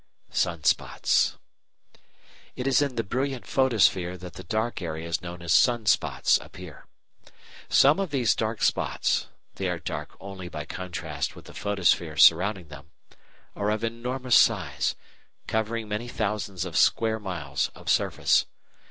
Sun spots It is in the brilliant photosphere that the dark areas known as sun spots appear. Some of these dark spots they are dark only by contrast with the photosphere surrounding them are of enormous size, covering many thousands of square miles of surface.